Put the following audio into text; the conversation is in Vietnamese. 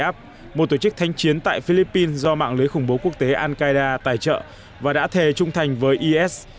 hapilon là thủ lĩnh nhóm abu sayyaf một tổ chức thanh chiến tại philippines do mạng lưới khủng bố quốc tế al qaeda tài trợ và đã thề trung thành với hapilon